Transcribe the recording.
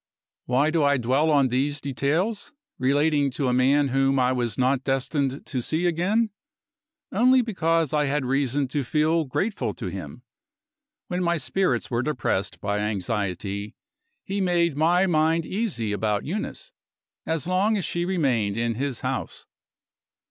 Why do I dwell on these details, relating to a man whom I was not destined to see again? Only because I had reason to feel grateful to him. When my spirits were depressed by anxiety, he made my mind easy about Eunice, as long as she remained in his house.